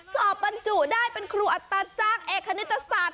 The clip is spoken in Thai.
สอบบรรจุได้เป็นครูอัตราจ้างเอกคณิตศาสตร์